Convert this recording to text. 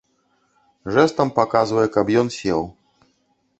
Жэстам паказвае, каб ён сеў.